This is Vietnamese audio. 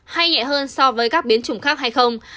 hay nhẹ hơn so với các biến chủng khác hay không